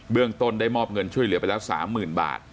เบื้องตนได้มอบเงินช่วยเหลือไปแล้วสามหมื่นบาท